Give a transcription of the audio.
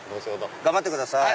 頑張ってください。